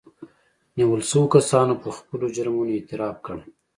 نيول شويو کسانو په خپلو جرمونو اعتراف کړی